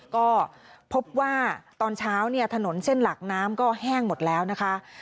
ก็พบว่าตอนเช้าเนี่ยถนนเส้นหลักน้ำก็แห้งหมดแล้วนะคะ